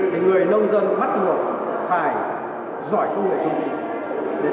thì người nông dân bắt nguồn phải giỏi công nghệ thông minh